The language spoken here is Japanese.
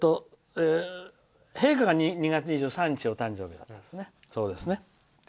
陛下が２月２３日お誕生日でしたね。